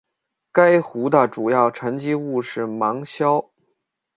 该湖的主要沉积物是芒硝。